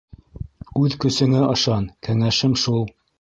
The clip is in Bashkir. Үҙ көсөңә ышан - кәңәшем шул.